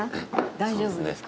大丈夫ですか？